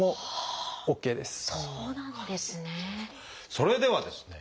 それではですね